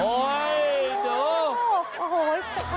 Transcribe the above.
โอ๊ยเจ้า